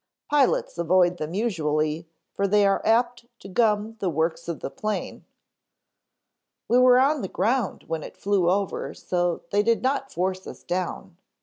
"Pilots avoid them usually for they are apt to gum the works of the plane " "We were on the ground when it flew over so they did not force us down.